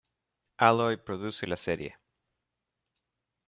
Alloy produce la serie.